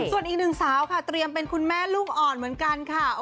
ส่วนอีกหนึ่งสาวค่ะเตรียมเป็นคุณแม่ลูกอ่อนเหมือนกันค่ะ